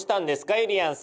ゆりやんさん？